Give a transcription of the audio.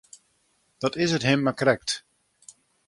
Dat is it him mar krekt.